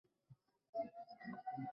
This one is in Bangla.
তিনি তো সেই চা খাইবার সময় নামিয়া আসিবেন।